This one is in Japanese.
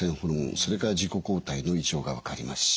それから自己抗体の異常が分かりますし